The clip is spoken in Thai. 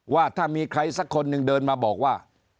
ว่าถ้ามีใครสักคนหนึ่งเดินมาบอกว่า